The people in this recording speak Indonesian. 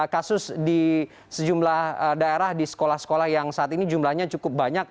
kasus di sejumlah daerah di sekolah sekolah yang saat ini jumlahnya cukup banyak